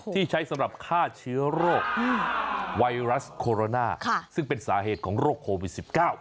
ที่ใช้สำหรับฆ่าเชื้อโรคไวรัสโคโรนาซึ่งเป็นสาเหตุของโรคโควิด๑๙